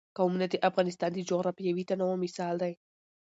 قومونه د افغانستان د جغرافیوي تنوع مثال دی.